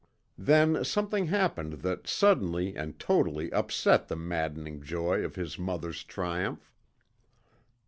Then something happened that suddenly and totally upset the maddening joy of his mother's triumph.